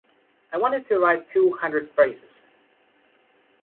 I wanted to write two hundred phrases.